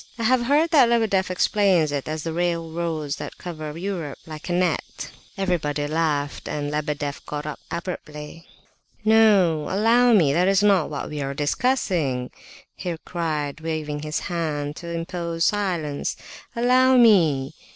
"I have heard that Lebedeff explains it as the railroads that cover Europe like a net." Everybody laughed, and Lebedeff got up abruptly. "No! Allow me, that is not what we are discussing!" he cried, waving his hand to impose silence. "Allow me!